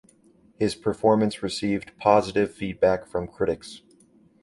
His performance received positive feedback from critics.